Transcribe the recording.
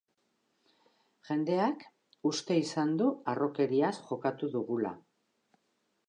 Jendeak uste izan du harrokeriaz jokatu dugula.